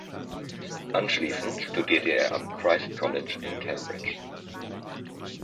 Anschließend studierte er am Christ’s College in Cambridge.